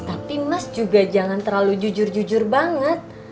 tapi mas juga jangan terlalu jujur jujur banget